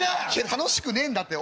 楽しくねえんだって